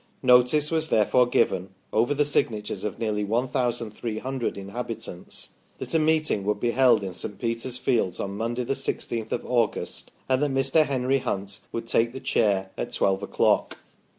Notice was therefore given (over the signatures of nearly 1 300 inhabitants) that a meeting would be held in St. Peter's fields on Monday, the 16th of August, and that Mr. Henry Hunt would take the chair at 1 2 o'clock.